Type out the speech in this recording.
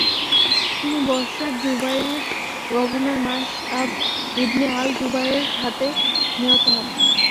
তিনি বসরার জুবায়েরিয় গভর্নর মাস'আব ইবনে আল জুবায়েরের হাতে নিহত হন।